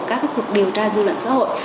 của các cái cuộc điều tra dư luận xã hội